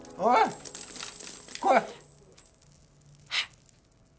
はい。